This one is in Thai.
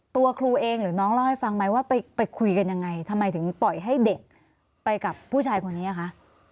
ตัวครูเองหรือน้องเล่าให้ฟังไหมว่าไปคุยกันยังไงทำไมถึงปล่อยให้เด็กไปกับผู้ชายคนนี้คะ